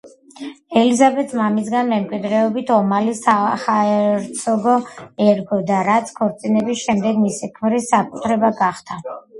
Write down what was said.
ელიზაბეტს მამისგან მემკვიდრეობით ომალის საჰერცოგო ერგო, რაც ქორწინების შემდეგ მისი ქმრის საკუთრება გახდა.